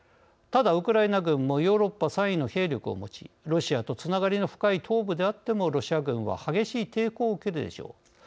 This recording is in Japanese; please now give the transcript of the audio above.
ただウクライナ軍もヨーロッパ３位の兵力を持ちロシアとつながりの深い東部であってもロシア軍は激しい抵抗を受けるでしょう。